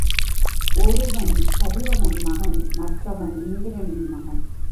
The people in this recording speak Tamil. ஒருவன் கதிரவன் மகன் மற்றவன் இந்திரனின் மகன்.